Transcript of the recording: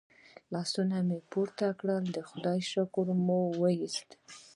لاسونه مې پورته کړل د خدای شکر مو وایست.